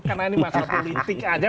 karena ini masalah politik aja